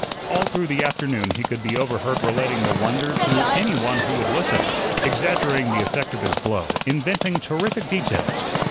All through the afternoon he could be overheard relating the wonder to any one who would listen, exaggerating the effect of his blow, inventing terrific details.